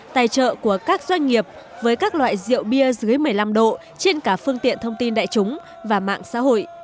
tài trợ của các doanh nghiệp với các loại rượu bia dưới một mươi năm độ trên cả phương tiện thông tin đại chúng và mạng xã hội